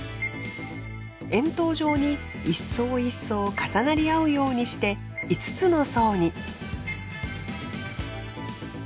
円筒状に１層１層重なり合うようにして５つの層に。